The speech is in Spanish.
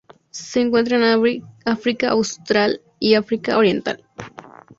Se encuentra en África austral y África oriental.